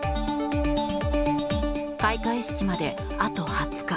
開会式まであと２０日。